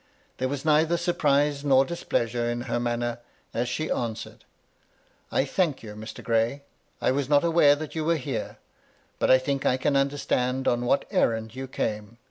There was neither surprise nor displeasure in her manner, as she answered :" I thank you, Mr. Gray. I was not aware that you were here, but I think I can understand on what errand you came.